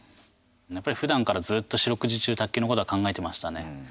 やっぱり、ふだんからずっと四六時中卓球のことは考えてましたね。